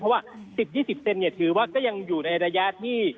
เพราะว่า๑๐๒๐เซนถือว่าก็ยังอยู่ในระยะที่